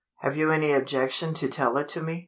"Have you any objection to tell it to me?